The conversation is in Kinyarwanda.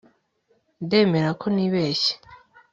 ndemera ko nibeshye